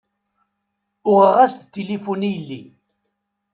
Uɣeɣ-as-d tilifun i yelli.